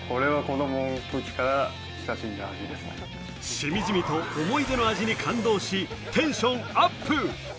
しみじみと思い出の味に感動しテンションアップ。